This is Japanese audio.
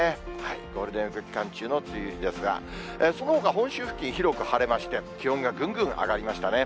ゴールデンウィーク期間中の梅雨入りですが、そのほか本州付近、広く晴れまして、気温がぐんぐん上がりましたね。